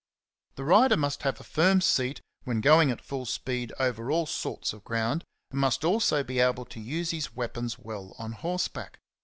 The rider must have a firm seat when going at full speed over all sorts of ground, and must also be able to use his weapons well on horse back.